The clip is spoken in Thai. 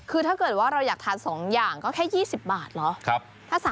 คือถ้าเกิดว่าเราอยากทาน๒อย่างก็แค่๒๐บาทเนาะ